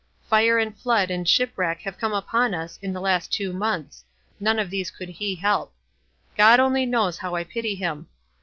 Fire and flood and ship wreck have come upon us in the last two months — none of these could he help. God only knows how I pity him.